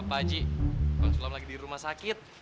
pak haji pak sulam lagi di rumah sakit